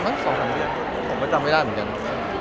ผมก็จำไม่ได้เหมือนกัน